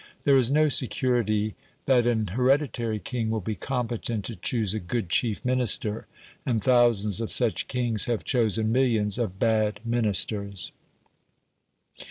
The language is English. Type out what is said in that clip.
There is no security that an hereditary king will be competent to choose a good chief Minister, and thousands of such kings have chosen millions of bad Ministers.